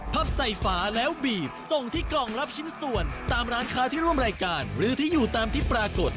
ใส่ฝาแล้วบีบส่งที่กล่องรับชิ้นส่วนตามร้านค้าที่ร่วมรายการหรือที่อยู่ตามที่ปรากฏ